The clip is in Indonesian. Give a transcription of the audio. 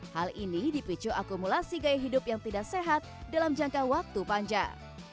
hal ini dipicu akumulasi gaya hidup yang tidak sehat dalam jangka waktu panjang